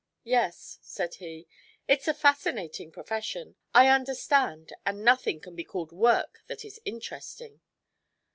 "Yes," said he, "it's a fascinating profession. I understand, and nothing can be called work that is interesting.